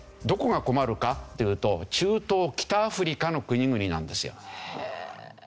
どこが困るかっていうと中東北アフリカの国々なんですよ。